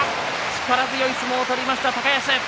力強い相撲を取りました高安。